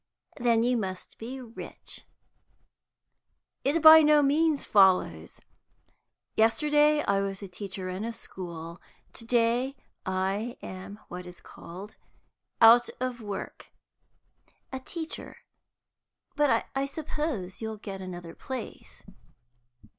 "Then you must be rich." "It by no means follows. Yesterday I was a teacher in a school. To day I am what is called out of work." "A teacher. But I suppose you'll get another place."